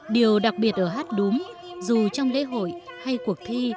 điều đặc biệt ở hát đúng dù trong lễ hội hay cuộc thi